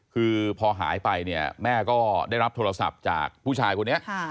คือพอหายไปเนี่ยแม่ก็ได้รับโทรศัพท์จากผู้ชายคนนี้